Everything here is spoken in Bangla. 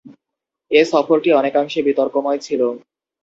এ সফরটি অনেকাংশে বিতর্কময় ছিল।